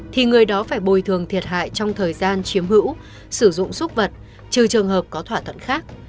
thì người đó phải bồi thường thiệt hại trong thời gian chiếm hữu sử dụng xúc vật trừ trường hợp có thỏa thuận khác